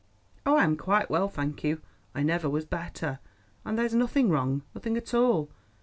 "Oh, I am quite well, thank you. I never was better; and there's nothing wrong, nothing at all.